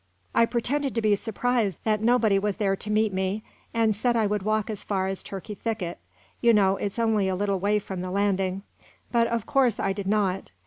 I pretended to be surprised that nobody was there to meet me, and said I would walk as far as Turkey Thicket you know it is only a little way from the landing. But, of course, I did not.